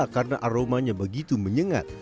karena aromanya begitu menyengat